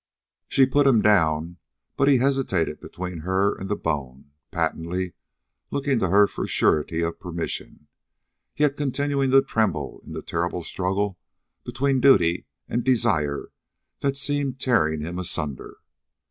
She put him down, but he hesitated between her and the bone, patently looking to her for surety of permission, yet continuing to tremble in the terrible struggle between duty and desire that seemed tearing him asunder.